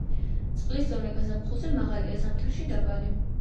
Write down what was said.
წყლის დონე გაზაფხულზე მაღალია, ზამთარში დაბალი.